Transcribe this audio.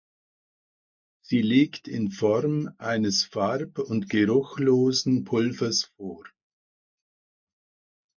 Sie liegt in Form eines farb- und geruchlosen Pulvers vor.